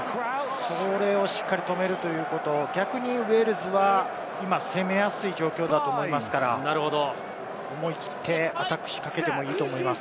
これを、しっかり止めるということ、逆にウェールズは今、攻めやすい状況だと思いますから、思い切って、アタックを仕掛けてもいいと思います。